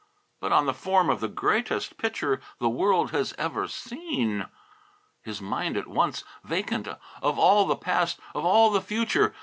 But on the form of the Greatest Pitcher the World Has Ever Seen !! His mind was at once vacant of all the past, of all the future.